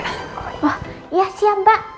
wah iya siap mbak